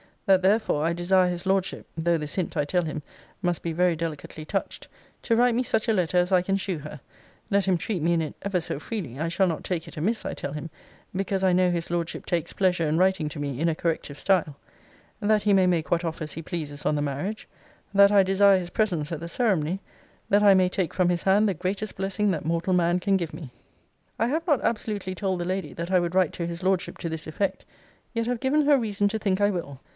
That therefore I desire his Lordship (though this hint, I tell him, must be very delicately touched) to write me such a letter as I can shew her; (let him treat me in it ever so freely, I shall not take it amiss, I tell him, because I know his Lordship takes pleasure in writing to me in a corrective style). That he may make what offers he pleases on the marriage. That I desire his presence at the ceremony; that I may take from his hand the greatest blessing that mortal man can give me.' I have not absolutely told the lady that I would write to his Lordship to this effect; yet have given her reason to think I will.